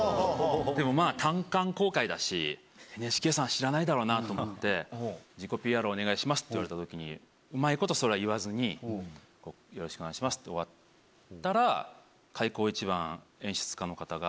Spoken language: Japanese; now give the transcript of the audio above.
でもまぁ単館公開だしＮＨＫさんは知らないだろうなと思って「自己ＰＲお願いします」って言われたときにうまいことそれは言わずに「よろしくお願いします」って終わったら開口一番演出家の方が。